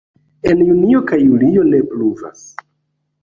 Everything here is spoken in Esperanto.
En junio kaj julio ne pluvas.